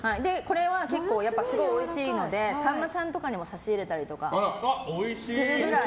結構すごいおいしいのでさんまさんとかにも差し入れたりするくらい。